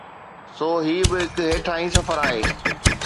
سو هي به هڪ هيٺاهين سفر آهي.